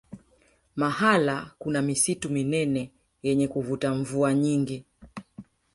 mahala kuna misitu minene yenye kuvuta mvua nyingi